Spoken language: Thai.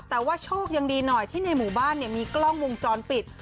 แต่ว่าโชคยังดีหน่อยที่ในหมู่บ้านมีกล้องวงจรปิด